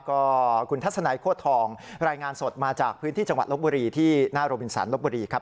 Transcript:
ก็คุณทัศนัยโคตรทองรายงานสดมาจากพื้นที่จังหวัดลบบุรีที่หน้าโรบินสันลบบุรีครับ